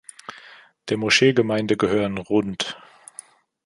Der Moscheegemeinde gehören rd.